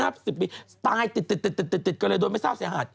๔๐๕๐ปีตายติดก็เลยโดนไม่ทราบเสียหาด